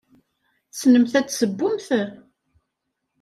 Tessnemt ad tessewwemt?